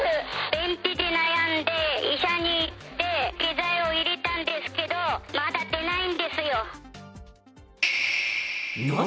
便秘で悩んで医者に行って下剤を入れたんですけど、まだ出ないんですよ。